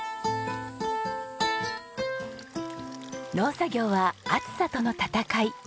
農作業は暑さとの闘い。